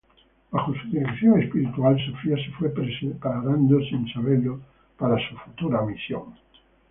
Bajo su dirección espiritual, Sofía se fue preparando, sin saberlo, para su futura misión.